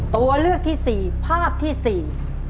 ตัวเลือกที่๔ภาพที่๔